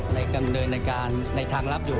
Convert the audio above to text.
ในกังเดินในการในทางลับอยู่